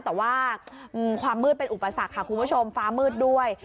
แต่ว่าความมืดเป็นอุปสรรคค่ะคุณผู้ชมฟ้ามืดด้วย